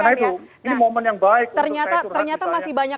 ya nah itu ini momen yang baik untuk saya turun ke sana